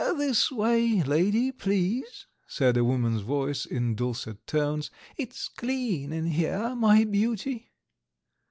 "This way, lady, please," said a woman's voice in dulcet tones. "It's clean in here, my beauty.